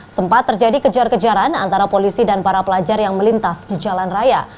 sempat terjadi kejar kejaran antara polisi dan para pelajar yang melintas di jalan raya